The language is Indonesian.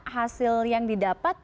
hasil yang didapat